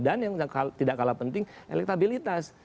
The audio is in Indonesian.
dan yang tidak kalah penting elektabilitas